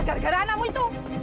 gara gara anakmu itu